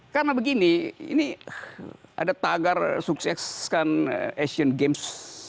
karena begini ini ada tagar sukseskan asian games dua ribu delapan belas